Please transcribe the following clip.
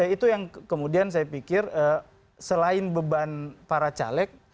itu yang kemudian saya pikir selain beban para caleg